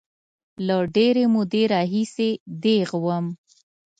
له ډېرې مودې راهیسې دیغ وم.